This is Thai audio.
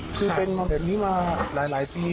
คือเป็นนักนั้นเดิมนี้มาหลายปี